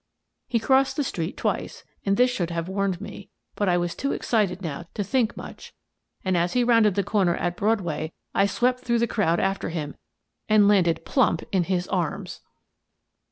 He crossed the street twice, and this should have warned me, but I was too excited now to think much, and as he rounded the corner at Broadway I swept through the crowd after him — and landed plump in his arms